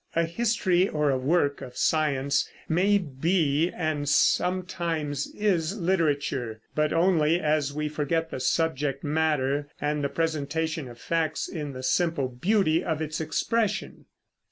A history or a work of science may be and sometimes is literature, but only as we forget the subject matter and the presentation of facts in the simple beauty of its expression.